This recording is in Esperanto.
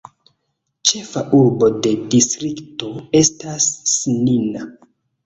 Ĉefa urbo de distrikto estas Snina.